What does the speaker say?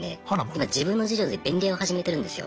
今自分の事業で便利屋を始めてるんですよ。